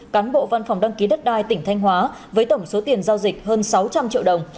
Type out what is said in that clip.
cán bộ văn phòng đăng ký đất đai tỉnh thanh hóa với tổng số tiền giao dịch hơn sáu trăm linh triệu đồng